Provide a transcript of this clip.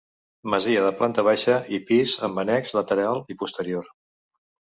Masia de planta baixa i pis amb annex lateral i posterior.